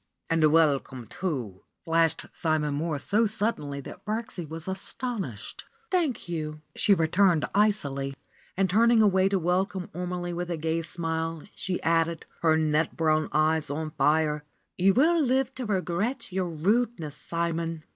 "And welcome, too !" flashed Simon Mohr so sud denly that Birksie was astonished. "Thank you," she returned icily, and turning away to welcome Ormelie with a gay smile, she added, her nut brown eyes on Are, "You will live to regret your rude ness, Simon